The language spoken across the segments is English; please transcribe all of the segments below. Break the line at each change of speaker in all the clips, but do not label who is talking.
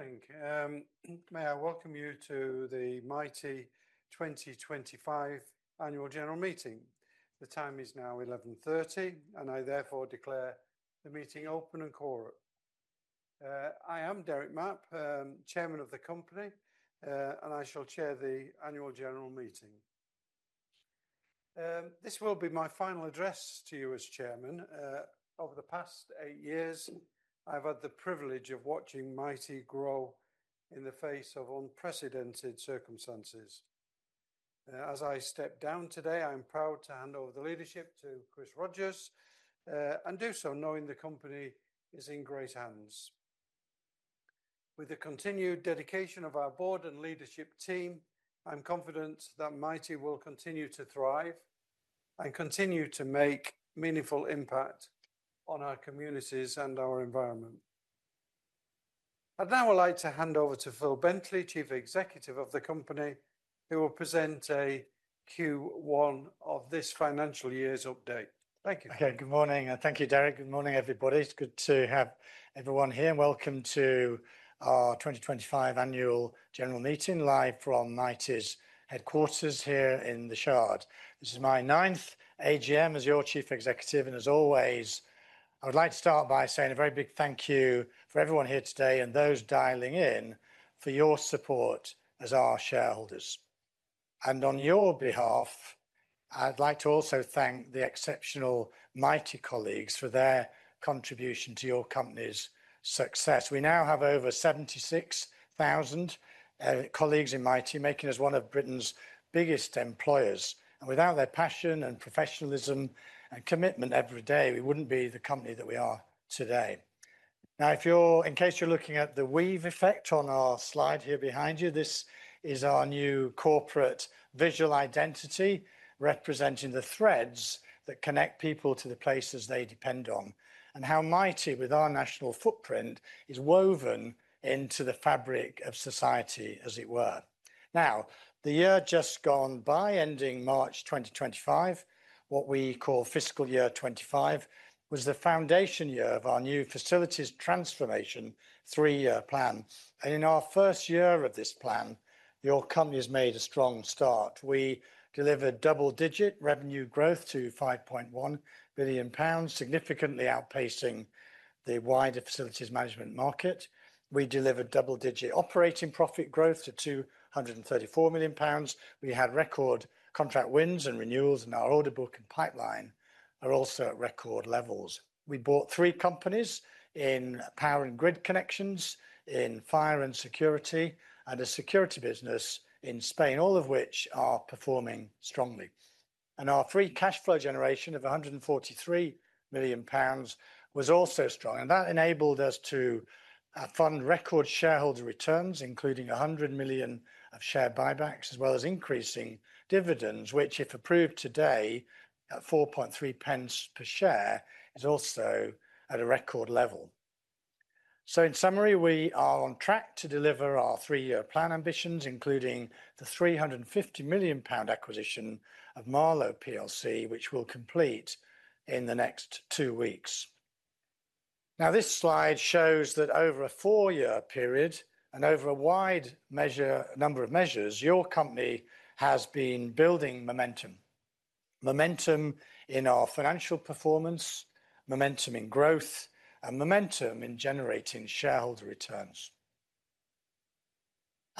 Good morning. May I welcome you to the Mitie 2025 Annual General Meeting. The time is now 11:30 A.M., and I therefore declare the meeting open and quorate. I am Derek Mapp, Chairman of the company, and I shall chair the Annual General Meeting. This will be my final address to you as Chairman. Over the past eight years, I've had the privilege of watching Mitie grow in the face of unprecedented circumstances. As I step down today, I'm proud to hand over the leadership to Chris Rogers and do so knowing the company is in great hands. With the continued dedication of our Board and leadership team, I'm confident that Mitie will continue to thrive and continue to make meaningful impact on our communities and our environment. I'd now like to hand over to Phil Bentley, Chief Executive of the company, who will present a Q1 of this financial year's update.
Thank you. Okay. Good morning and thank you, Derek. Good morning, everybody. It's good to have everyone here. Welcome to our 2025 Annual General Meeting live from Mitie’s headquarters here in the Shard. This is my ninth AGM as your Chief Executive and as always, I would like to start by saying a very big thank you for everyone here today and those dialing in for your support as our shareholders. On your behalf, I'd like to also thank the exceptional Mitie colleagues for their contribution to your company's success. We now have over 76,000 colleagues in Mitie, making us one of Britain's biggest employers. Without their passion, professionalism, and commitment every day, we wouldn't be the company that we are today. If you're looking at the weave effect on our slide here behind you, this is our new corporate visual identity, representing the threads that connect people to the places they depend on and how Mitie, with our national footprint, is woven into the fabric of society, as it were. The year just gone by, ending March 2025, what we call fiscal year 2025, was the foundation year of our new facilities transformation three-year plan. In our first year of this plan, your company has made a strong start. We delivered double-digit revenue growth to 5.1 billion pounds, significantly outpacing the wider facilities management market. We delivered double-digit operating profit growth to 234 million pounds. We had record contract wins and renewals, and our order book and pipeline are also at record levels. We bought three companies in power and grid connections, in fire and security, and a security business in Spain, all of which are performing strongly. Our free cash flow generation of 143 million pounds was also strong. That enabled us to fund record shareholder returns, including 100 million of share buybacks, as well as increasing dividends, which, if approved today at 4.3p per share, is also at a record level. In summary, we are on track to deliver our three-year plan ambitions, including the 350 million pound acquisition of Marlowe plc, which we'll complete in the next two weeks. This slide shows that over a four-year period and over a wide number of measures, your company has been building momentum. Momentum in our financial performance, momentum in growth, and momentum in generating shareholder returns.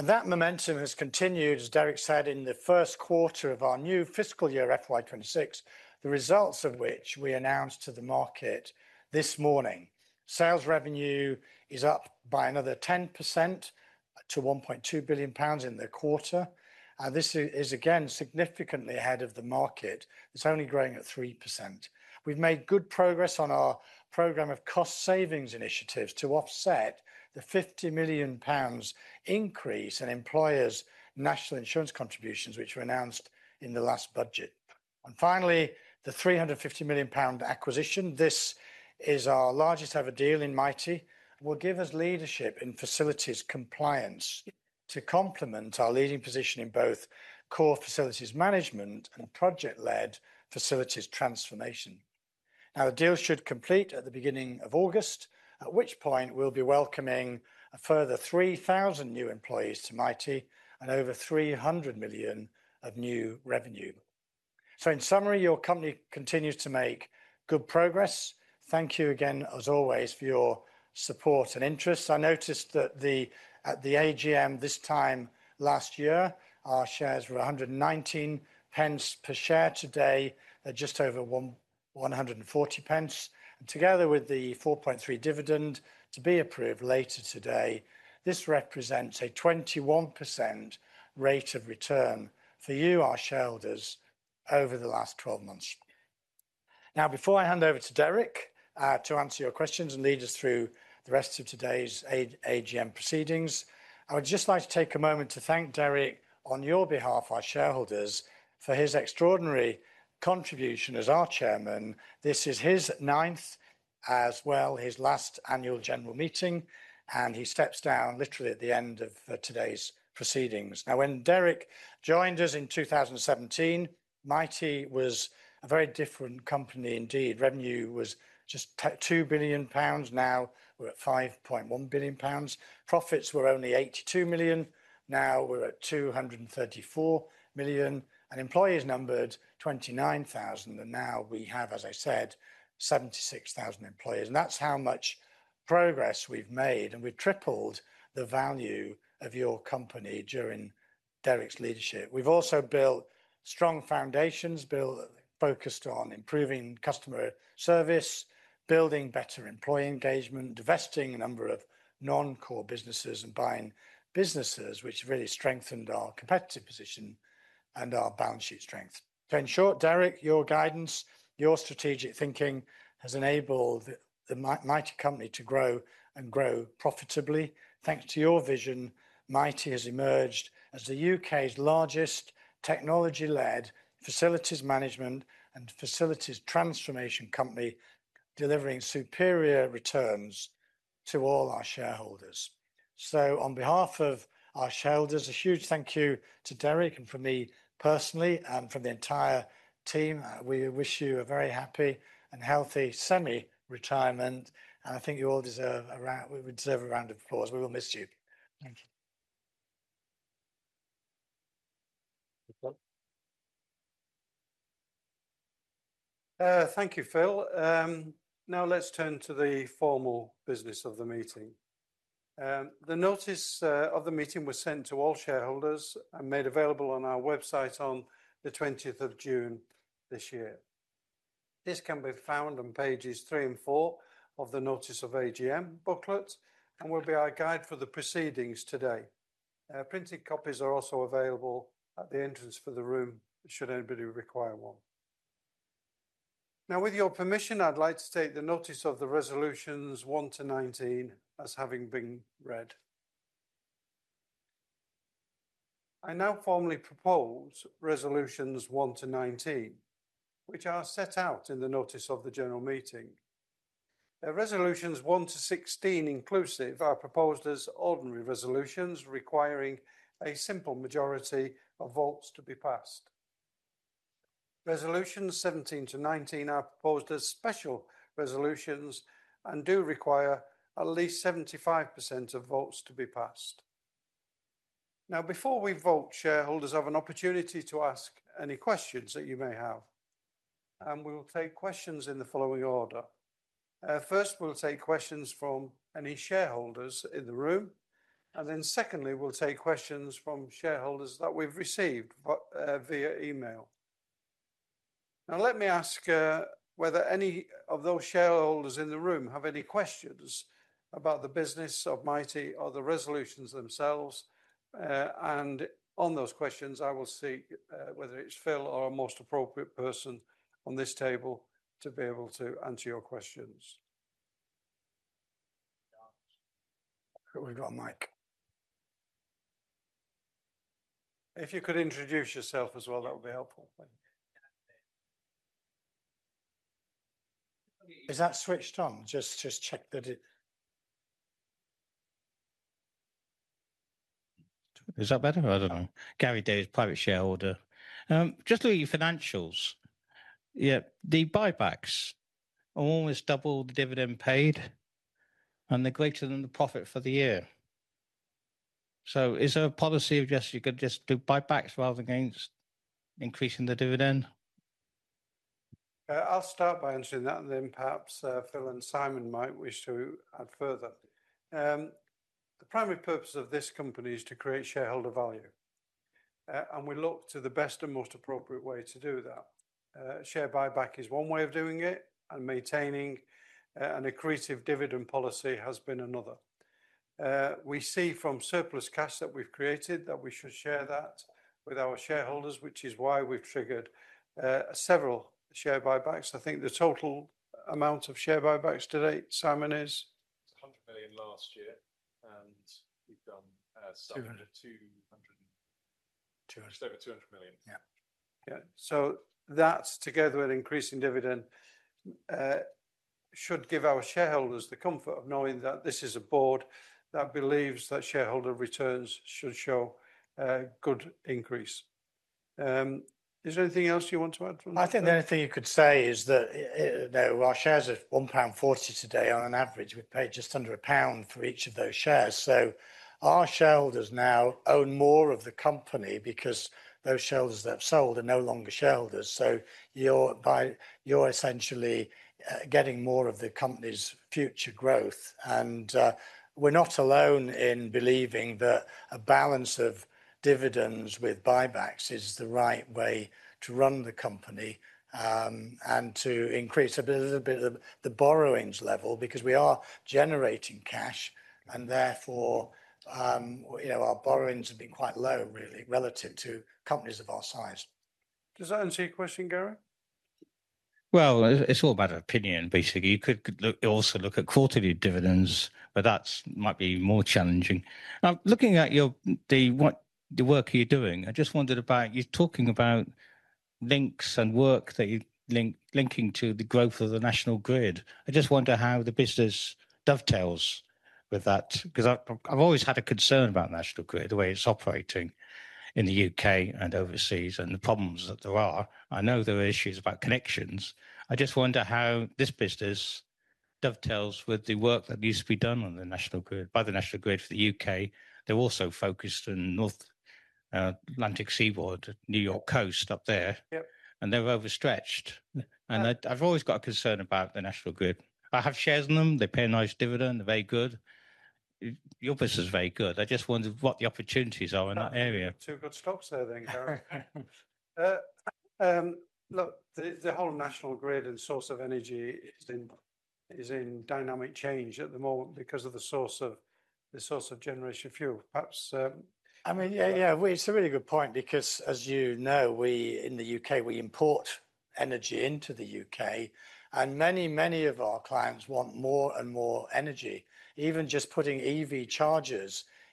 That momentum has continued, as Derek said, in the first quarter of our new fiscal year, FY26. The results of which we announced to the market this morning. Sales revenue is up by another 10% to 1.2 billion pounds in the quarter. This is again significantly ahead of the market. It's only growing at 3%. We've made good progress on our program of cost savings initiatives to offset the 50 million pounds increase in employers' national insurance contributions which were announced in the last budget. Finally, the 350 million pound acquisition, this is our largest ever deal in Mitie, will give us leadership in facilities compliance to complement our leading position in both core facilities management and project-led facilities transformation. The deal should complete at the beginning of August, at which point we'll be welcoming a further 3,000 new employees to Mitie and over 300 million of new revenue. In summary, your company continues to make good progress. Thank you again as always for your support and interest. I noticed that at the AGM this time last year our shares were 119p per share. Today at just over 140p, together with the 4.3p dividend to be approved later today, this represents a 21% rate of return for you, our shareholders, over the last 12 months. Before I hand over to Derek to answer your questions and lead us through the rest of today's AGM proceedings, I would just like to take a moment to thank Derek on your behalf, our shareholders, for his extraordinary contribution as our Chairman. This is his ninth as well as his last annual general meeting and he steps down literally at the end of today's proceedings. When Derek joined us in 2017, Mitie was a very different company indeed. Revenue was just 2 billion pounds. Now we're at 5.1 billion pounds. Profits were only 82 million. Now we're at 234 million and employees numbered 29,000. Now we have, as I said, 76,000 employees. That's how much progress we've made and we've tripled the value of your company during Derek's leadership. We've also built strong foundations, focused on improving customer service, building better employee engagement, divesting a number of non-core businesses and buying businesses which really strengthened our competitive position and our balance sheet strength. In short, Derek, your guidance, your strategic thinking has enabled the Mitie company to grow and grow profitably. Thanks to your vision, Mitie has emerged as the UK's largest technology-led facilities management and facilities transformation company, delivering superior returns to all our shareholders. On behalf of our shareholders, a huge thank you to Derek, and for me personally and from the entire team, we wish you a very happy and healthy semi-retirement. I think you all deserve a round. We deserve a round of applause. We will miss you.
Thank you. Thank you, Phil. Now let's turn to the formal business of the meeting. The notice of the meeting was sent to all shareholders and made available on our website on 20th June this year. This can be found on pages 3 and 4 of the notice of AGM booklet and will be our guide for the proceedings today. Printed copies are also available at the entrance of the room should anybody require one. Now, with your permission, I'd like to state the notice of the resolutions 1 to 19 as having been read. I now formally propose resolutions 1 to 19 which are set out in the notice of the General Meeting. Resolutions 1 to 16 inclusive are proposed as ordinary resolutions requiring a simple majority of votes to be passed. Resolutions 17 to 19 are proposed as special resolutions and do require at least 75% of votes to be passed. Now, before we vote, shareholders have an opportunity to ask any questions that you may have and we will take questions in the following order. First, we'll take questions from any shareholders in the room and then secondly, we'll take questions from shareholders that we've received via email. Now let me ask whether any of those shareholders in the room have any questions about the business of Mitie or the resolutions themselves. On those questions I will see whether it's Phil or our most appropriate person on this table to be able to answer your questions.
We've got a mic. If you could introduce yourself as well, that would be helpful.
Is that switched on? Just check that it.
Is that better? I don't know. Gary, Dave's private shareholder. Just look at your financials. The buybacks almost double the dividend paid, and they're greater than the profit for the year. Is there a policy of just doing buybacks rather than increasing the dividend?
I'll start by answering that and then perhaps Phil and Simon might wish to add further. The primary purpose of this company is to create shareholder value, and we look to the best and most appropriate way to do that. Share buyback is one way of doing it, and maintaining an accretive dividend policy has been another. We see from surplus cash that we've created that we should share that with our shareholders, which is why we've triggered several share buybacks. I think the total amount of share buybacks to date Simon, is
100 million last year and we've done just over 200 million.
Yeah.
That, together with increasing dividend, should give our shareholders the comfort of knowing that this is a board that believes that shareholder returns should show good increase. Is there anything else you want to add?
I think the only thing you could say is that our shares are 1.40 pound today. On average, we've paid just under GBP 1 for each of those shares. Our shareholders now own more of the company because those shareholders that sold are no longer shareholders. You're essentially getting more of the company's future growth. We're not alone in believing that a balance of dividends with buybacks is the right way to run the company and to increase a little bit of the borrowings level, because we are generating cash and therefore our borrowings have been quite low, really, relative to companies of our size.
Does that answer your question, Gary?
It's all about opinion, basically. You could also look at quarterly dividends, but that might be more challenging looking at the work you're doing. I just wondered about you talking about links and work that you're linking to the growth of the National Grid. I just wonder how the business dovetails with that, because I've always had a concern about National Grid, the way it's operating in the UK and overseas and the problems that there are. I know there are issues about connections. I just wonder how this business dovetails with the work that used to be done on the National Grid by the National Grid for the UK. They're also focused in North Atlantic seaboard, New York coast up there, and they're overstretched. I've always got a concern about the National Grid. I have shares in them, they pay a nice dividend, they're very good. Your business is very good. I just wonder what the opportunities are in that area.
Two good stocks there then, Gary? Look, the whole National Grid and source of energy is in dynamic change at the moment because of the source of generation fuel. Perhaps.
I mean, yeah, it's a really good point because as you know, in the UK, we import energy into the UK and many, many of our clients want more and more energy. Even just putting EV charging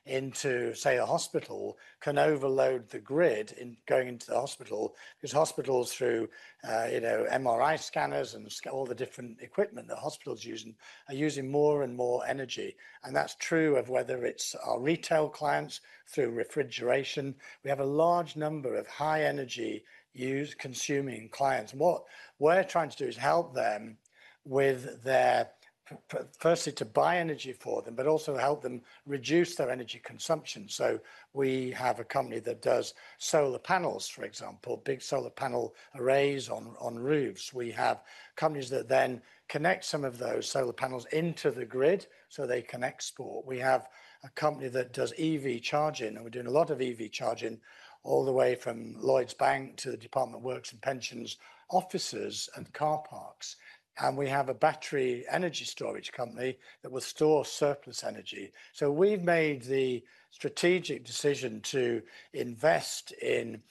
into, say, a hospital can overload the grid going into the hospital because hospitals, through, you know, MRI scanners and all the different equipment that hospitals are using, are using more and more energy. That's true of whether it's our retail clients. Through refrigeration, we have a large number of high energy use consuming clients. What we're trying to do is help them with their, firstly to buy energy for them, but also help them reduce their energy consumption. We have a company that does solar panels, for example, big solar panel arrays on roofs. We have companies that then connect some of those solar panels into the grid so they can export. We have a company that does EV charging and we're doing a lot of EV charging all the way from Lloyds Bank to the Department for Works and Pensions offices and car parks. We have a battery energy storage company that will store surplus energy. We've made the strategic decision to invest in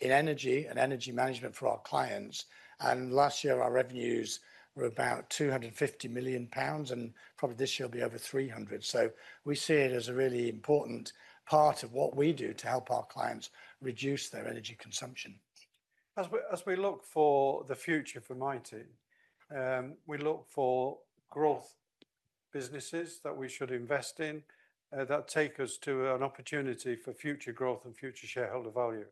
energy and energy management for our clients. Last year our revenues were about 250 million pounds and probably this year will be over 300 million. We see it as a really important part of what we do to help our clients reduce their energy consumption.
As we look for the future for Mitie, we look for growth businesses that we should invest in that take us to an opportunity for future growth and future shareholder value.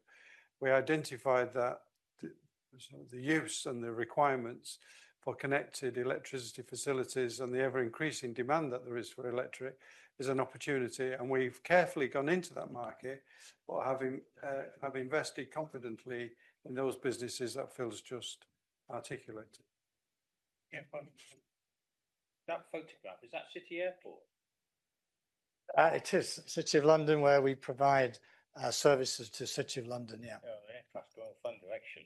We identified that the use and the requirements for connected electricity facilities and the ever increasing demand that there is for electric an opportunity. We've carefully gone into that market and have invested confidently in those businesses that Phil's just articulated.
That photograph is at City Airport.
It is City of London, where we provide services to City of London. Yeah,
Direction.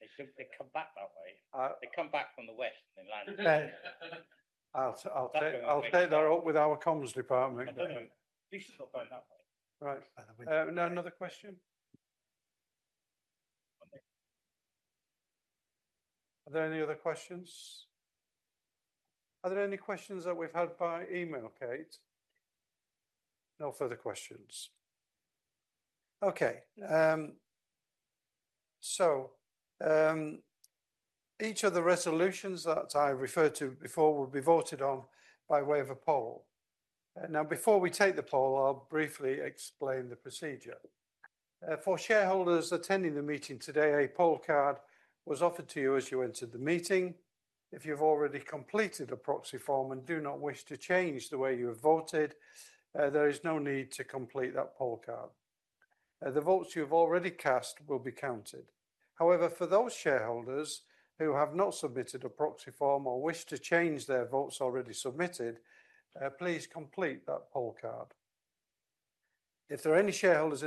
They simply come back that way. They come back from the West.
I'll take that up with our comms department. Another question, are there any other questions? Are there any questions that we've had by email? Kate? No further questions. Okay, so each of the resolutions that I referred to before will be voted on by way of a poll. Now, before we take the poll, I'll briefly explain the procedure for shareholders attending the meeting today. A poll card was offered to you as you entered the meeting. If you've already completed a proxy form and do not wish to change the way you have voted, there is no need to complete that poll card. The votes you've already cast will be counted. However, for those shareholders who have not submitted a proxy form or wish to change their votes already submitted, please complete that poll card. If there are any shareholders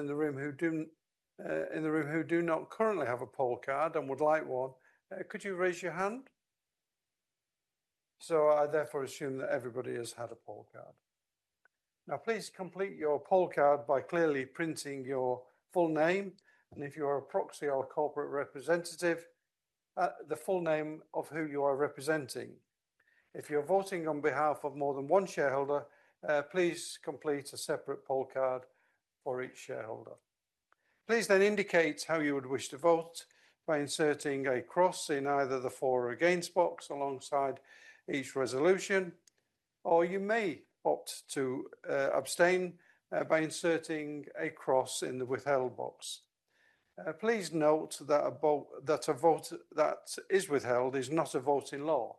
in the room who do not currently have a poll card and would like one, could you raise your hand? I therefore assume that everybody has had a poll card. Now, please complete your poll card by clearly printing your full name and if you are a proxy or corporate representative, the full name of who you are representing. If you are voting on behalf of more than one shareholder, please complete a separate poll card for each shareholder. Please then indicate how you would wish to vote by inserting a cross in either the for or against box alongside each resolution, or you may opt to abstain by inserting a cross in the withheld box. Please note that a vote that is withheld is not a vote in law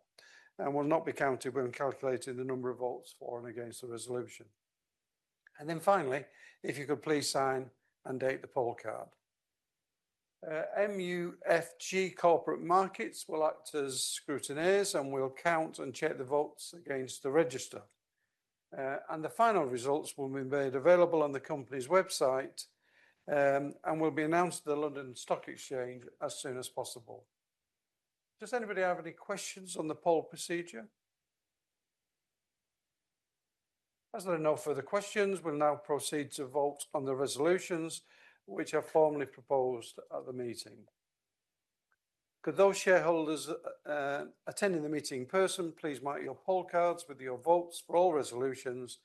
and will not be counted when calculating the number of votes for and against the resolution. Finally, if you could please sign and date the poll card. MUFG Corporate Markets will act as scrutineers and will count and check the votes against the register and the final results will be made available on the company's website and will be announced at the London Stock Exchange as soon as possible. Does anybody have any questions on the poll procedure? As there are no further questions, we'll now proceed to vote on the resolutions which are formally proposed at the meeting. Could those shareholders attending the meeting in person please mark your poll cards with your votes for all resolutions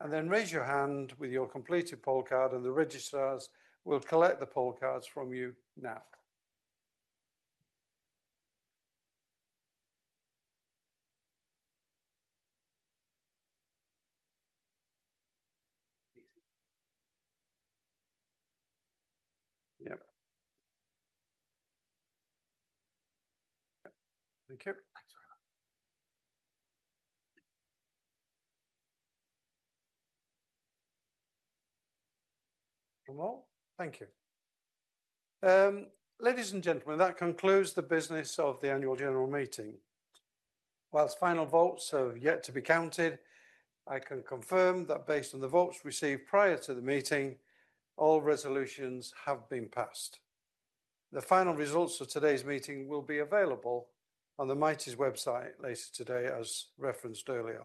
and then raise your hand with your completed poll card and the registrars will collect the poll cards from you now. Thank you. Thanks very much. Thank you. Ladies and gentlemen, that concludes the business of the Annual General Meeting. Whilst final votes have yet to be counted, I can confirm that based on the votes received prior to the meeting, all resolutions have been passed. The final results of today's meeting will be available on the Mitie website later today as referenced earlier.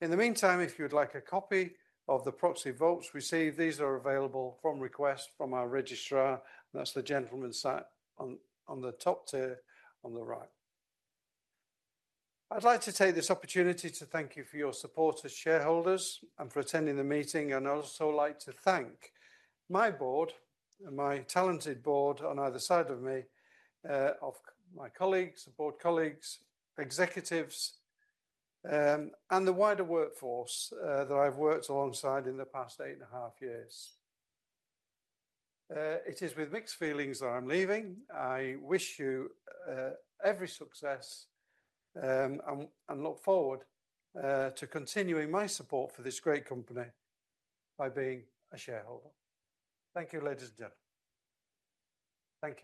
In the meantime, if you would like a copy of the proxy votes received, these are available on request from our registrar. That's the gentleman sat on the top tier on the right. I'd like to take this opportunity to thank you for your support as shareholders and for attending the meeting. I'd also like to thank my talented board on either side of me, my colleagues, executives, and the wider workforce that I've worked alongside in the past eight and a half years. It is with mixed feelings that I'm leaving. I wish you every success and look forward to continuing my support for this great company by being a shareholder. Thank you, ladies and gentlemen. Thank you.